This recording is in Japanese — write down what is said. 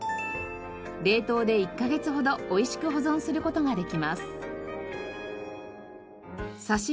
冷凍で１カ月ほど美味しく保存する事ができます。